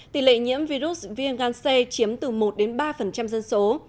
tỷ lệ nhiễm virus viêm gan c chiếm từ một ba dân số